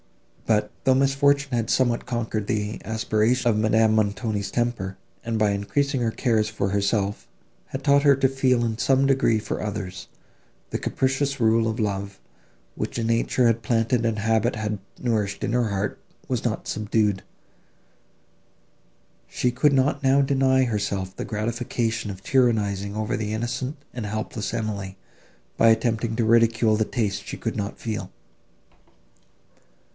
But, though misfortune had somewhat conquered the asperities of Madame Montoni's temper, and, by increasing her cares for herself, had taught her to feel in some degree for others, the capricious love of rule, which nature had planted and habit had nourished in her heart, was not subdued. She could not now deny herself the gratification of tyrannising over the innocent and helpless Emily, by attempting to ridicule the taste she could not feel.